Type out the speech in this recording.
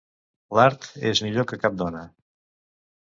L'Art és millor que cap dona.